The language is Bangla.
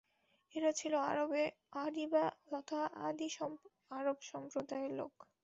এরা ছিল আরবে আরিবা তথা আদি আরব সম্প্রদায়ের লোক।